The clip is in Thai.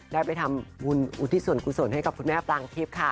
ได้ไปทำวุญอุทิศวรคุณส่วนให้กับคุณแม่ปลางทิพย์ค่ะ